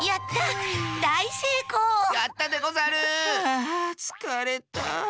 あつかれた。